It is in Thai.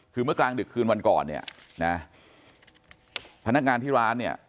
คือเมื่อกลางดึกคืนวันก่อนเนี่ยนะพนักงานที่ร้านเนี่ย